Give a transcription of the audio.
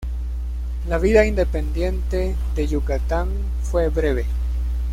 La vida independiente de Yucatán fue breve.